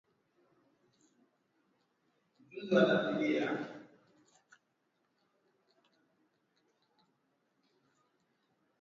Sauti ya Amerika Swahili imekua mstari wa mbele katika kutangaza matukio muhimu ya dunia na yanayotokea kanda ya Afrika Mashariki na Kati katika kila nyanja.